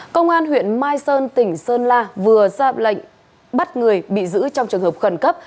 công an huyện mai sơn tỉnh sơn la vừa ra lệnh bắt người bị giữ trong trường hợp khẩn cấp